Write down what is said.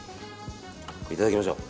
これ、いただきましょう。